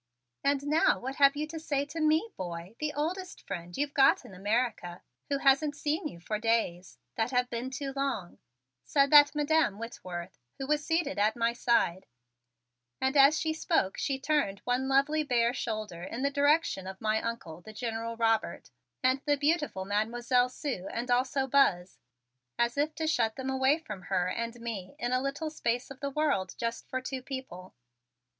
"And now what have you to say to me, boy, the oldest friend you've got in America, who hasn't seen you for days that have been too long," said that Madam Whitworth, who was seated at my side, and as she spoke she turned one lovely bare shoulder in the direction of my Uncle, the General Robert, and the beautiful Mademoiselle Sue and also Buzz, as if to shut them away from her and me in a little space of world just for two people.